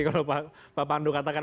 kalau pak pandu katakan